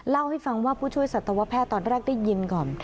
เล่าให้ฟังว่าผู้ช่วยสัตวแพทย์ตอนแรกได้ยินก่อน